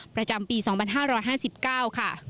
ประจำปี๒๕๕๙ค่ะ